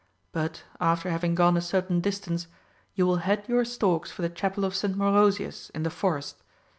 But, after having gone a certain distance, you will head your storks for the chapel of St. Morosius in the forest.